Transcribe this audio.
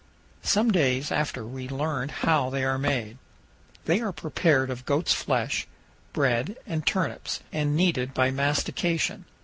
Some days after we learned how they are made; they are prepared of goat's flesh, bread, and turnips, and kneaded by mastication.